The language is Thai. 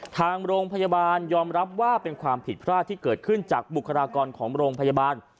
ทางโรงพยาบาลยอมรับว่าเป็นความผิดพลาดที่เกิดขึ้นจากบุคลากรของโรงพยาบาล